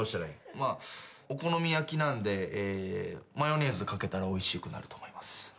お好み焼きなんでマヨネーズかけたらおいしくなると思います。